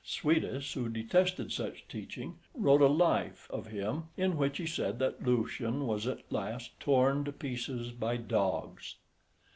Suidas, who detested such teaching, wrote a Life of him, in which he said that Lucian was at last torn to pieces by dogs.